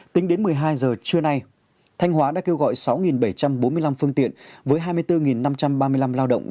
tính đến một mươi hai giờ trưa nay thanh hóa đã kêu gọi sáu bảy trăm bốn mươi năm phương tiện với hai mươi bốn năm trăm ba mươi năm lao động